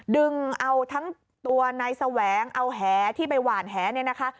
ดึงเอาทั้งตัวนายแสวงเอาแหที่ไปหวานแหเนี่ยนะคะ